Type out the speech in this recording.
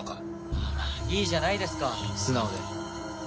まあまあいいじゃないですか素直で。